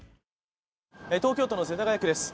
東京都の世田谷区です。